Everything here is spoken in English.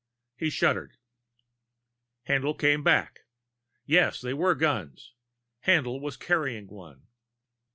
He shuddered. Haendl came back; yes, they were guns. Haendl was carrying one.